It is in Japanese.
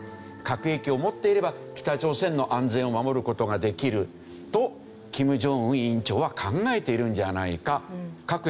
核兵器を持っていれば北朝鮮の安全を守る事ができると金正恩委員長は考えているんじゃないか。